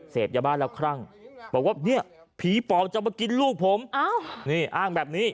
เสพยาบ้าแล้วครั่งบอกว่าเนี่ยผีปอบจะมากินลูกผมนี่อ้างแบบนี้